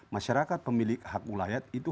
masyarakat pemilik hak mulayat itu